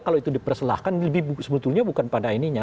kalau itu diperselahkan lebih sebetulnya bukan pada ininya